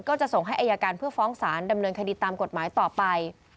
ก็จะส่งให้อายการเพื่อฟ้องสารดำเนินคดีตามกฎหมายต่อไป